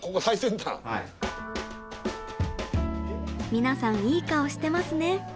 みなさんいい顔してますね。